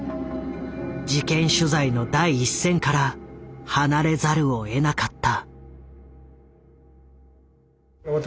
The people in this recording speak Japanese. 事件取材の第一線から離れざるをえなかった。